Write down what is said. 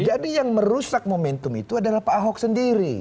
jadi yang merusak momentum itu adalah pak ahok sendiri